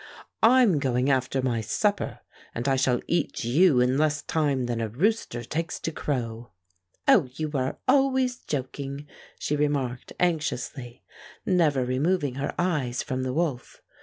"I'm going after my supper, and I shall eat you in less time than a rooster takes to crow." "Oh, you are always joking!" she re marked anxiously, never removing her eyes from the wolf.